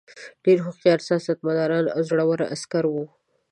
ډېر هوښیار سیاستمدار او زړه ور عسکر وو.